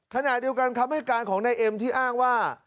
ขณะเดียวกันคำให้การของนายเอ็มที่อ้างว่า